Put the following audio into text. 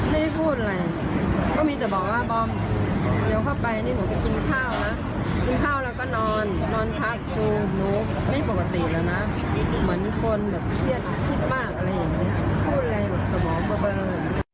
ที่ปกติแล้วนะเหมือนคนเครียดผิดมากอะไรอย่างนี้พูดอะไรสมองเบอร์เบอร์